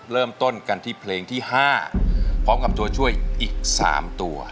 เริ่มต้นกันที่เพลงที่๕พร้อมกับตัวช่วยอีก๓ตัว